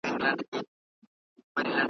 اوږدې لاري یې وهلي په ځنګلو کي `